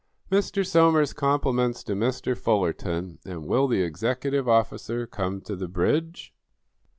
"Mr. Somers's compliments to Mr. Fullerton, and will the executive officer come to the bridge?"